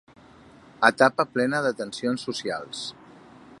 Etapa plena de tensions socials.